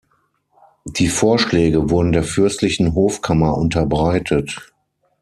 Die Vorschläge wurden der Fürstlichen Hofkammer unterbreitet.